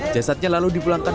jasadnya lalu dipulangkan